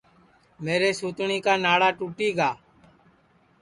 میرے سُتٹؔی کا ناڑا ٹُوٹی گا